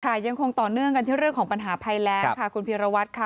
ยังคงต่อเนื่องกันที่เรื่องของปัญหาภัยแรงค่ะคุณพีรวัตรค่ะ